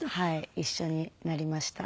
一緒になりました。